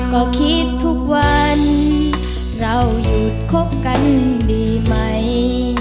ก็คิดทุกวันเราหยุดคบกันดีไหม